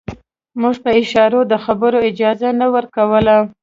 موږ په اشارو د خبرو اجازه نه ورکوله.